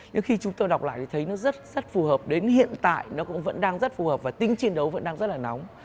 nhưng khi chúng tôi đọc lại thì thấy nó rất phù hợp đến hiện tại nó cũng vẫn đang rất phù hợp và tính chiến đấu vẫn đang rất là nóng